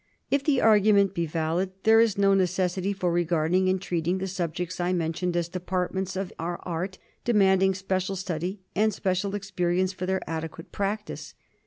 If the argument be valid, there is no necessity for regarding and treating the subjects I mention as departments of our art, demanding special study and special experience for their adequate practice.